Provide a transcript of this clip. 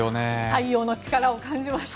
太陽の力を感じました。